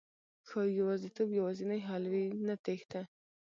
ښایي يوازېتوب یوازېنی حل وي، نه تېښته